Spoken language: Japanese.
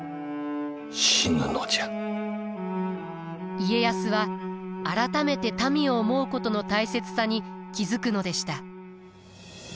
家康は改めて民を思うことの大切さに気付くのでした。